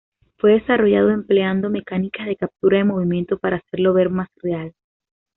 Fue desarrollado empleando mecánicas de captura de movimiento para hacerlo ver más real.